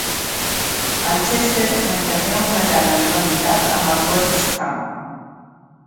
El Chester mantenia una llarga rivalitat amb el Wrexham.